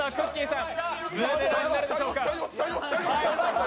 さん。